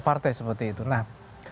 partai seperti itu nah